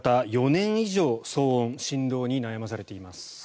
４年以上騒音、振動に悩まされています。